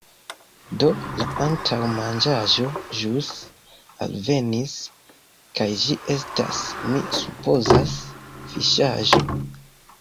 Do, la antaŭmanĝaĵo ĵus alvenis kaj ĝi estas, mi supozas, fiŝaĵo.